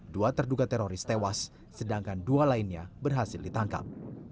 dua terduga teroris tewas sedangkan dua lainnya berhasil ditangkap